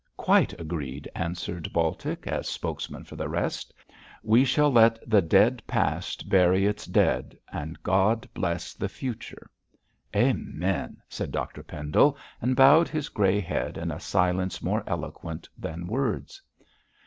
'Quite agreed,' answered Baltic, as spokesman for the rest; 'we shall let the dead past bury its dead, and God bless the future.' 'Amen!' said Dr Pendle, and bowed his grey head in a silence more eloquent than words.